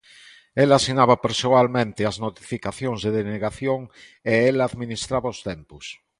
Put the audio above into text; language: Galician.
El asinaba persoalmente as notificacións de denegación e el administraba os tempos.